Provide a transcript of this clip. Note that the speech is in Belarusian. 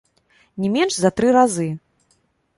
Не менш за тры разы.